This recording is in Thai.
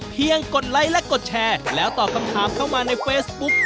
กดไลค์และกดแชร์แล้วตอบคำถามเข้ามาในเฟซบุ๊ก